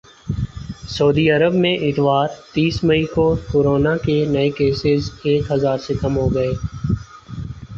سعودی عرب میں اتوار تیس مئی کو کورونا کے نئے کیسز ایک ہزار سے کم ہوگئے